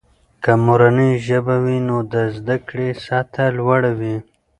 که مورنۍ ژبه وي، نو د زده کړې سطحه لوړه وي.